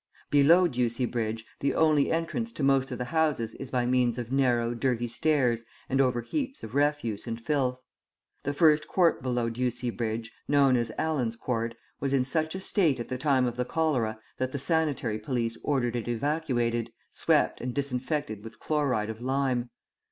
Below Ducie Bridge the only entrance to most of the houses is by means of narrow, dirty stairs and over heaps of refuse and filth. The first court below Ducie Bridge, known as Allen's Court, was in such a state at the time of the cholera that the sanitary police ordered it evacuated, swept, and disinfected with chloride of lime.